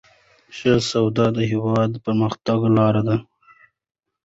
ښه سواد د هیواد د پرمختګ لاره ده.